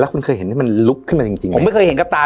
คุณเคยเห็นให้มันลุกขึ้นมาจริงจริงผมไม่เคยเห็นกับตา